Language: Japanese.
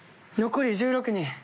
残り１６人。